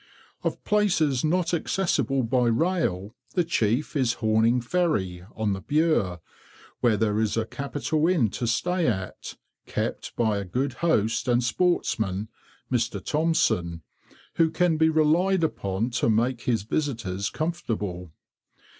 Of places not accessible by rail, the chief is Horning Ferry, on the Bure, where there is a capital inn to stay at, kept by a good host and sportsman, Mr. Thompson, who can be relied upon to make his visitors comfortable.